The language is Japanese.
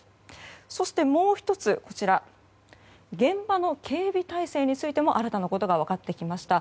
そして、もう１つ現場の警備態勢についても新たなことが分かってきました。